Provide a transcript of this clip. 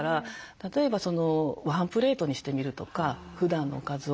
例えばワンプレートにしてみるとかふだんのおかずを。